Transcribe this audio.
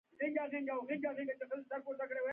بزګر ته راحت د کښت ورځ ده